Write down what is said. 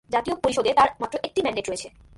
জাতীয় পরিষদে তার মাত্র একটি ম্যান্ডেট রয়েছে।